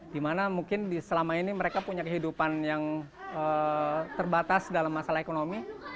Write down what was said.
dimana mungkin selama ini mereka punya kehidupan yang terbatas dalam masalah ekonomi